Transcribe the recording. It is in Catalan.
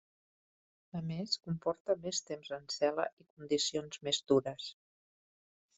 A més, comporta més temps en cel·la i condicions més dures.